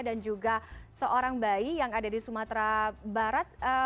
juga seorang bayi yang ada di sumatera barat